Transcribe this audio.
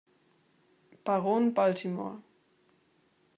Baron Baltimore.